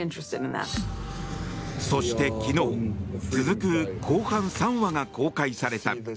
そして、昨日続く後半３話が公開された。